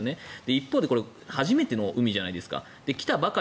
一方で初めての船じゃないですか。